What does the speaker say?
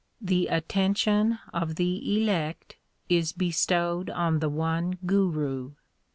The attention of the elect is bestowed on the one Guru.